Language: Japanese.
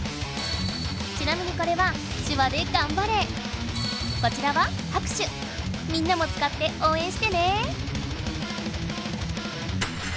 ちなみにこれは手話でこちらはみんなも使っておうえんしてね！